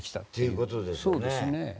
そうですねええ。